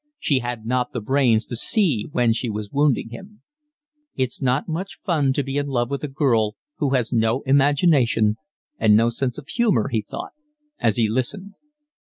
She had not the brains to see when she was wounding him. "It's not much fun to be in love with a girl who has no imagination and no sense of humour," he thought, as he listened.